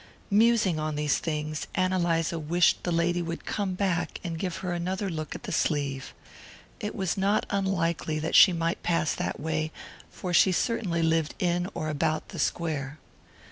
Musing on these things, Ann Eliza wished the lady would come back and give her another look at the sleeve. It was not unlikely that she might pass that way, for she certainly lived in or about the Square.